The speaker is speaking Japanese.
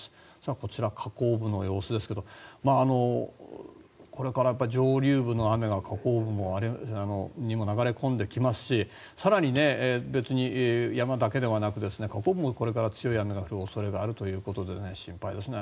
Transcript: こちら、河口部の様子ですがこれから上流部の雨が河口部にも流れ込んできますし更に別に山だけではなく河口部もこれから強い雨が降る恐れがあるということで心配ですね。